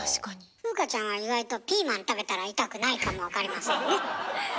風花ちゃんは意外とピーマン食べたら痛くないかもわかりませんね。